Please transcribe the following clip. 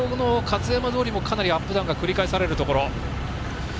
勝山通もかなりアップダウンが繰り返されるところ。